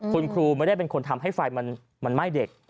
คุณครูไม่ได้เป็นคนทำให้ไฟมันไหม้เด็ก